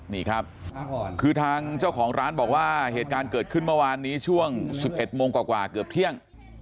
นี่ครับคือทางเจ้าของร้านบอกว่าเหตุการณ์เกิดขึ้นเมื่อวานนี้ช่วง๑๑โมงกว่าเกือบเที่ยง